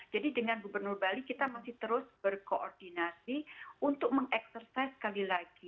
jadi dengan gubernur bali kita masih terus berkoordinasi untuk mengeksersis sekali lagi